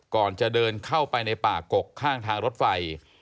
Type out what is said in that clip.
ก่อนจะเดินเข้าไปในป่ากกข้างทางรถไฟ